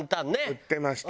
売ってました。